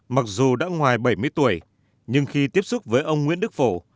mặc dù đã ngoài bảy mươi tuổi nhưng khi tiếp xúc với ông nguyễn đức phổ